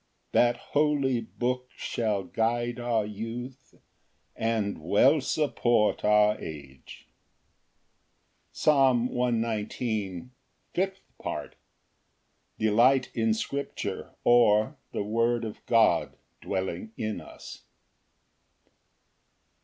That holy book shall guide our youth, And well support our age. Psalm 119:05. Fifth Part. Delight in scripture; or, The word of God dwelling in us.